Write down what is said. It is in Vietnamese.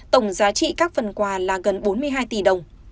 tổng giá trị các phần quà là gần bốn mươi hai tỷ đồng